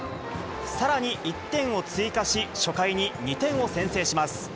さらに１点を追加し、初回に２点を先制します。